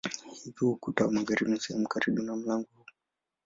Hivyo ukuta wa magharibi ni sehemu ya karibu na mlango huu.